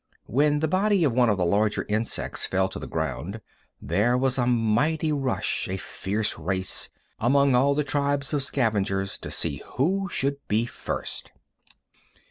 When the body of one of the larger insects fell to the ground, there was a mighty rush, a fierce race, among all the tribes of scavengers to see who should be first.